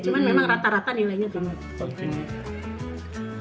cuma memang rata rata nilainya banyak